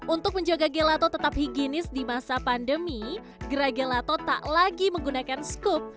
untuk menjaga gelato tetap higienis di masa pandemi gerai gelato tak lagi menggunakan skup